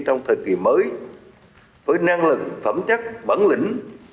trong thời kỳ mới với năng lực phẩm chất bản lĩnh